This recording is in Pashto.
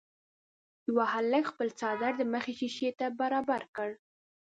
یوه هلک خپل څادر د مخې شيشې ته برابر کړ.